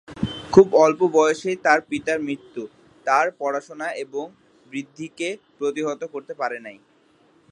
খুব অল্প বয়সেই তাঁর পিতার মৃত্যু, তাঁর পড়াশোনা এবং বৃদ্ধিকে প্রতিহত করতে পারেনি।